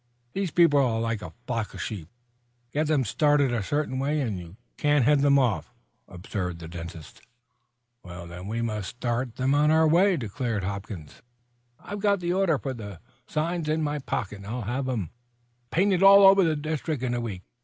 These people are like a flock of sheep. Get them started a certain way and you can't head them off," observed the dentist. "Then we must start them our way," declared Hopkins. "I've got the order for these signs in my pocket, and I'll have 'em painted all over the district in a week.